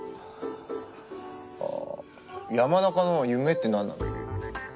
あ山中の夢って何なの？